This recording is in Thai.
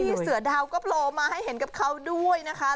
พี่เสือดาวก็โผล่มาให้เห็นกับเขาด้วยนะคะ